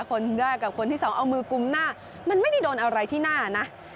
คนแรกกับคนที่สองเอามือกุมหน้ามันไม่ได้โดนอะไรที่หน้านะ